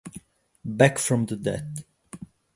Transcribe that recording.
Back from the Dead